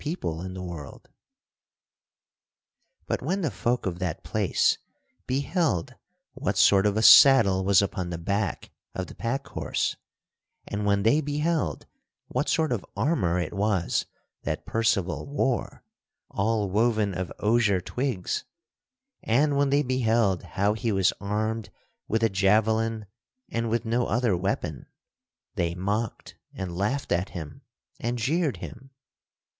[Sidenote: How Percival rode in the world] But when the folk of that place beheld what sort of a saddle was upon the back of the pack horse; and when they beheld what sort of armor it was that Percival wore all woven of osier twigs; and when they beheld how he was armed with a javelin and with no other weapon, they mocked and laughed at him and jeered him.